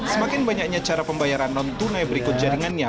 semakin banyaknya cara pembayaran non tunai berikut jaringannya